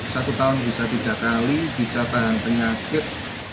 satu tahun bisa tiga kali bisa tahan penyakit